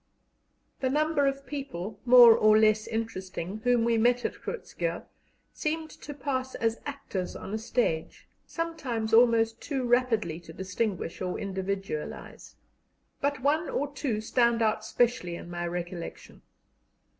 The number of people, more or less interesting, whom we met at Groot Schuurr, seemed to pass as actors on a stage, sometimes almost too rapidly to distinguish or individualize. But one or two stand out specially in my recollection.